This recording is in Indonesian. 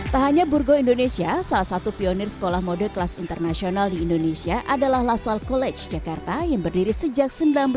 tak hanya burgo indonesia salah satu pionir sekolah mode kelas internasional di indonesia adalah lasal college jakarta yang berdiri sejak seribu sembilan ratus sembilan puluh